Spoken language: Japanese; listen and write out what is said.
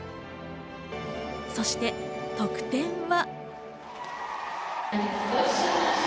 そして得点は。